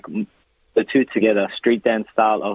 kedua duanya style street dance